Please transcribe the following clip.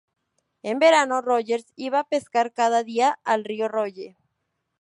En verano Rogers iba a pescar cada día al río Rogue.